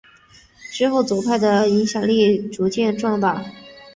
之后左派的影响力逐渐壮大。